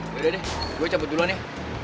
yaudah deh gue cabut duluan ya